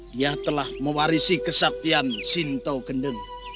dia telah mewarisi kesaktian shinto gendeng